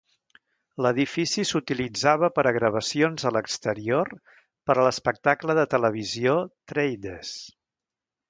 L'edifici s'utilitzava per a gravacions a l'exterior per a l'espectacle de televisió "Traders".